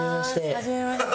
はじめまして。